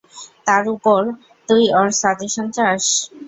তার ওপর, তুই ওর সাজেশন চাস।